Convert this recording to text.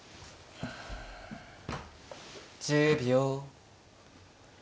１０秒。